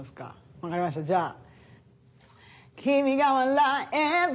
分かりましたじゃあ。